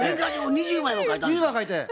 ２０枚書いて。